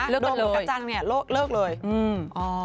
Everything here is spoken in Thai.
เลิกกับโดมกัชจังเนี่ยเลิกเลยอืมอ๋อ